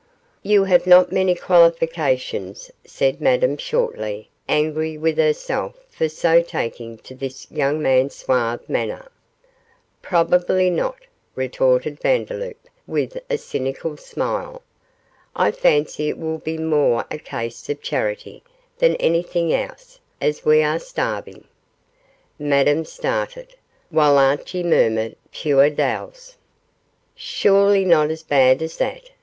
'You have not many qualifications,' said Madame, shortly, angry with herself for so taking to this young man's suave manner. 'Probably not,' retorted Vandeloup, with a cynical smile. 'I fancy it will be more a case of charity than anything else, as we are starving.' Madame started, while Archie murmured 'Puir deils.' 'Surely not as bad as that?